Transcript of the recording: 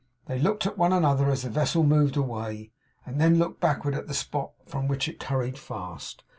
They looked at one another as the vessel moved away, and then looked backward at the spot from which it hurried fast.